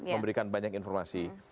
memberikan banyak informasi